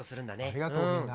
ありがとうみんな。